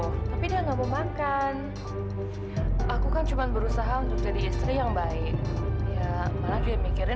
sebenernya pulang dari singapura